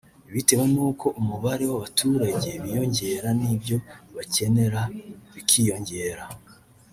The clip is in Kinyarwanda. bitewe n’uko umubare w’abaturage wiyongera n’ibyo bakenera bikiyongera